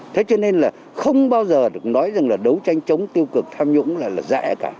thế cho nên là không bao giờ được nói rằng là đấu tranh chống tiêu cực tham nhũng là rẻ cả